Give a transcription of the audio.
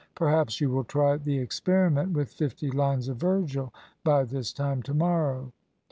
Perhaps you will try the experiment with fifty lines of Virgil by this time to morrow."